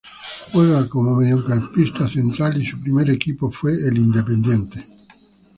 Juega como mediocampista central y su primer equipo fue Independiente.